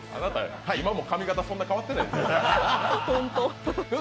今も髪型そんな変わってないですよ。